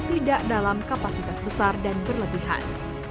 tidak dalam kapasitas besar dan berlebihan